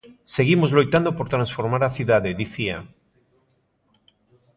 Seguimos loitando por transformar a cidade, dicía.